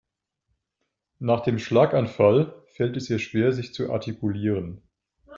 Nach dem Schlaganfall fällt es ihr schwer sich zu artikulieren.